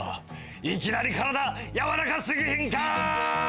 いきなり体やわらかすぎひんかー！